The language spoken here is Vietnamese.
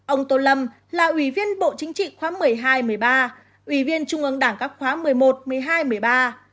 ông tô lâm là ủy viên bộ chính trị khóa một mươi hai một mươi ba ủy viên trung ương đảng các khóa một mươi một một mươi hai một mươi ba